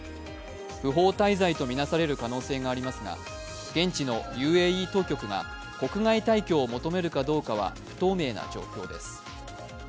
不法滞在とみなされる可能性がありますが現地のＵＡＥ当局が、国外退去を求めるかどうかは、不透明な状況です。